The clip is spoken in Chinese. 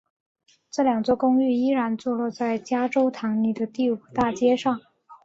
这两栋公寓依然坐落在加州唐尼的第五大街上。